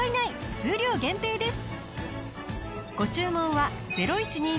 数量限定です。